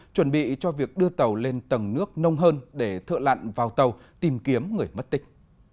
chuẩn bị cho việc đưa tàu lên tầng nước nông hơn để thợ lặn vào tàu tìm kiếm người mất tích